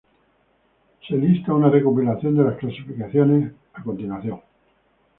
Se lista una recopilación de las clasificaciones a continuación.